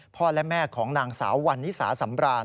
พ่อและแม่ของนางสาววันนิสาสำราน